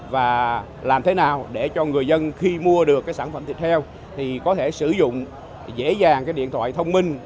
và làm thế nào để cho người dân khi mua được cái sản phẩm thịt heo thì có thể sử dụng dễ dàng cái điện thoại thông minh